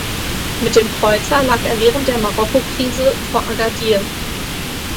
Mit dem Kreuzer lag er während der Marokkokrise vor Agadir.